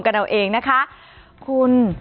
อ๋อคุณ